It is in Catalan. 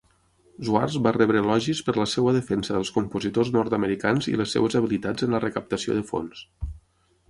Schwarz va rebre elogis per la seva defensa dels compositors nord-americans i les seves habilitats en la recaptació de fons.